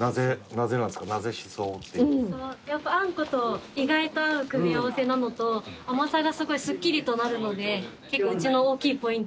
あんこと意外と合う組み合わせなのと甘さがすごいすっきりとなるので結構うちの大きいポイント。